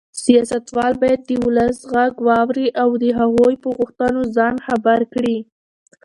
سیاستوال باید د ولس غږ واوري او د هغوی په غوښتنو ځان خبر کړي.